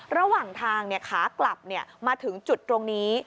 ระหว่างทางขากลับมาถึงจุดตรงนี้